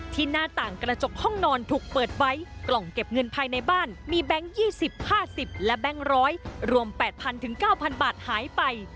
หน้าต่างกระจกห้องนอนถูกเปิดไว้กล่องเก็บเงินภายในบ้านมีแบงค์๒๐๕๐และแบงค์๑๐๐รวม๘๐๐๙๐๐บาทหายไป